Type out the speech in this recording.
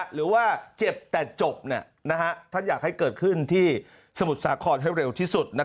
หรือว่าเจ็บแต่จบท่านอยากให้เกิดขึ้นที่สมุทรสาครให้เร็วที่สุด